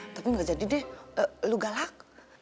tapi gak jadi deh lo galak